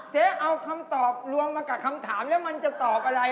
เจ๊เอาคำตอบรวมมากับคำถามแล้วมันจะตอบอะไร